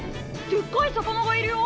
でっかい魚がいるよ。